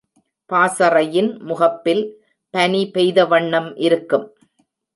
பாசறையின் முகப்பில் பனி பெய்த வண்ணம் இருக்கும்.